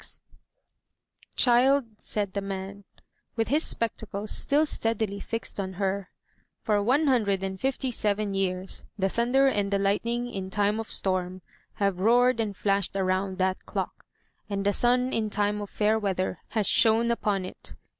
259 MY B O O K H O U S E *' Child/' said the man, with his spectacles still steadily fixed on her, "for one hundred and fifty seven years the thunder and the lightning in time of storm have roared and flashed around that clock, and the sun in time of fair weather has shone upon it.